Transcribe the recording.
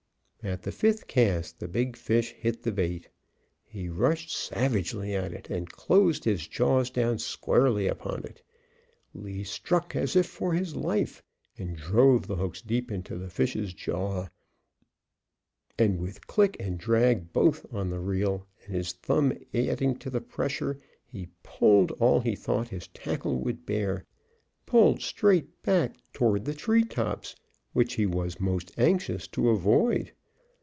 At the fifth cast the big fish hit the bait. He rushed savagely at it, and closed his jaws down squarely upon it. Lee struck as if for his life, and drove the hooks deep into the fish's jaw, and with click and drag both on the reel and his thumb adding to the pressure, he pulled all he thought his tackle would bear pulled straight back toward the treetops, which he was most anxious to avoid.